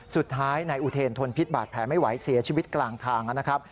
สุดท้ายนายอุเทรนทนพิษบาดแผลไม่ไหวเสียชีวิตกลางทางนะครับ